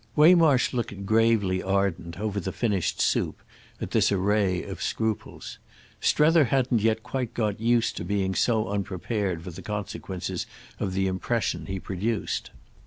Waymarsh looked gravely ardent, over the finished soup, at this array of scruples; Strether hadn't yet got quite used to being so unprepared for the consequences of the impression he produced.